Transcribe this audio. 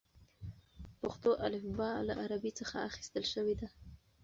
پښتو الفبې له عربي څخه اخیستل شوې ده.